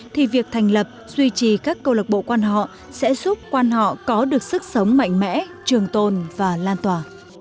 thì việc thành lập duy trì các câu lạc bộ quan họ sẽ giúp quan họ có được sức sống mạnh mẽ trường tồn và lan tỏa